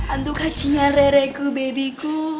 antu kacinya rereku babyku